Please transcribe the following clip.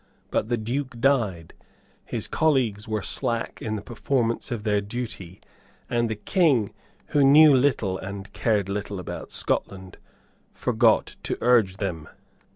But the Duke died; his colleagues were slack in the performance of their duty; and the King, who knew little and cared little about Scotland, forgot to urge them.